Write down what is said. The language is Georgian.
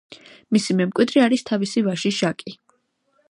მისი მემკვიდრე არის თავისი ვაჟი, ჟაკი.